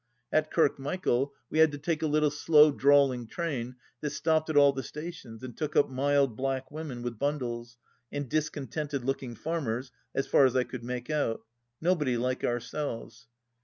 At Kirkmichael we had to take a little slow drawling train that stopped at all the stations and took up mild black women with bundles, and discontented looking farmers, as far as I could make out. Nobody like ourselves.